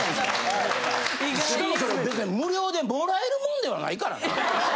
しかもそれ別に無料で貰えるもんではないからな。